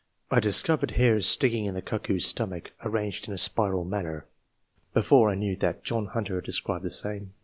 I discovered hairs sticking in the cuckoo's stomach, arranged in a spiral manner, before I knew that John Hunter had described the same.